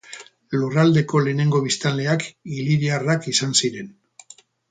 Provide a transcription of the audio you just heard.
Lurraldeko lehenengo biztanleak iliriarrak izan ziren.